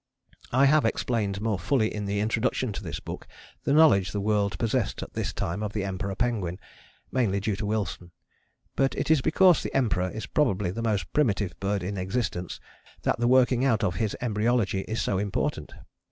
I have explained more fully in the Introduction to this book the knowledge the world possessed at this time of the Emperor penguin, mainly due to Wilson. But it is because the Emperor is probably the most primitive bird in existence that the working out of his embryology is so important.